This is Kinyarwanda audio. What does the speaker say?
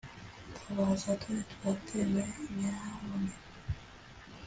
tabaza dore twatewe nyaboneka